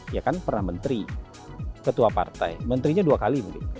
ya kan pernah menteri ketua partai menterinya dua kali mungkin